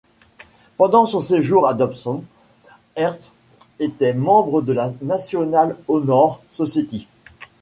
Pendant son séjour à Dobson, Ertz était membre de la National Honor Society.